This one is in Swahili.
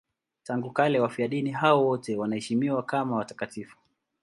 Tangu kale wafiadini hao wote wanaheshimiwa kama watakatifu.